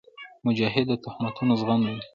مجاهد د تهمتونو زغم لري.